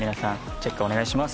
チェックお願いします。